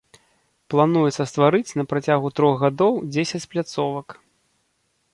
Плануецца стварыць на працягу трох гадоў дзесяць пляцовак.